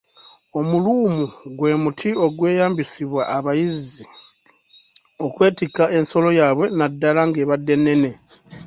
Omuluumu gwe muti ogweyambisimbwa abayizzi okwetikka ensolo yaabwe naddala ng’ebadde nnene.